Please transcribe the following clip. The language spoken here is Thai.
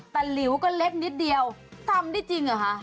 แต่หลิวก็เล็กนิดเดียวทำได้จริงเหรอคะ